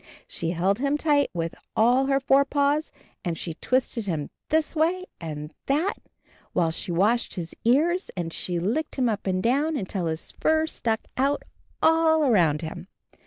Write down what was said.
She held him tight with all her four paws, and she twisted him this way and that, while she washed his ears, and she licked him up and down until his fur stuck out all around him.